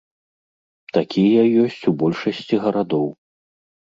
Такія ёсць у большасці гарадоў.